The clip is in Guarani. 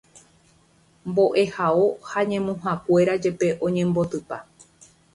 mbo'ehao ha ñemuhakuéra jepe oñembotypa.